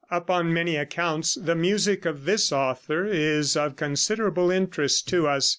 Upon many accounts the music of this author is of considerable interest to us.